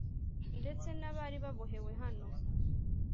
Ndetse n`abari babohewe hano